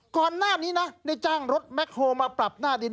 ก่อนหน้านี้นะได้จ้างรถแคคโฮลมาปรับหน้าดิน